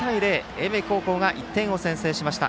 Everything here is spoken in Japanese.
英明高校が１点を先制しました。